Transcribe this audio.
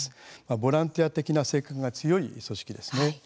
ボランティア的な性格が強い組織ですね。